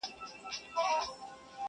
و غزل ته مي الهام سي ستا غزل غزل خبري,